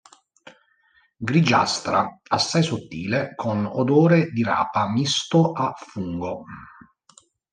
Grigiastra, assai sottile con odore di rapa misto a fungo.